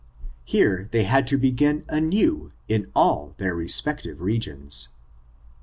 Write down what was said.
Here they had to begin anew in all their respective regions.